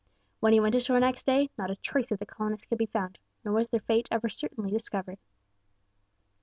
When he went ashore next day, not a trace of the colonists could be found, nor was their fate ever certainly discovered.